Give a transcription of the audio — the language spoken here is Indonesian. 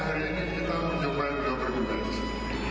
hari ini kita menjumpai dua berguna disini